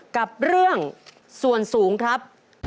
กับเรื่องส่วนสูงครับ